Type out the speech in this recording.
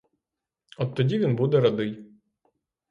От тоді він буде радий.